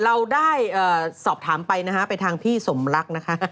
เราได้สอบถามไปนะฮะไปทางพี่สมรักนะคะ